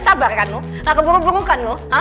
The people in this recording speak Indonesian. sabar kan lu tak keburu buru kan lu